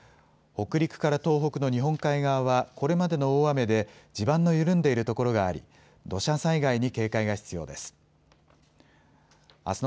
北陸から東北の日本海側はこれまでの大雨で地盤の緩んでいるところがあり土砂災害に警戒が必要です。